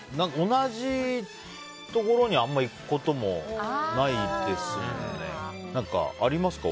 同じところにあまり行くこともないですね。ありますか？